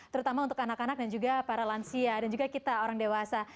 terutama untuk anak anak dan juga para lansia dan juga kita orang dewasa